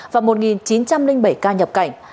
và một chín trăm linh bảy ca nhập cảnh